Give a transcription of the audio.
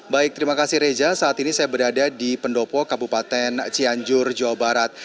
baik terima kasih reza saat ini saya berada di pendopo kabupaten cianjur jawa barat